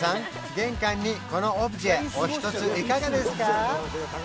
玄関にこのオブジェおひとついかがですか？